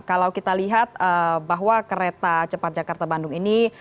kalau kita lihat bahwa kereta cepat jakarta bandung ini